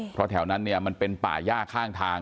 เพราะแถวนั้นเนี่ยมันเป็นป่าย่าข้างทาง